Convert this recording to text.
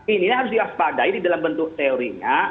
ini harus dihaspadai dalam bentuk teorinya